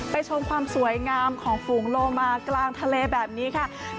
ชมความสวยงามของฝูงโลมากลางทะเลแบบนี้ค่ะ